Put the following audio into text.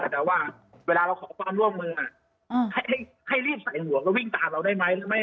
แต่ว่าเวลาเราขอความร่วมมือให้รีบใส่หัวก็วิ่งตามเราได้ไหม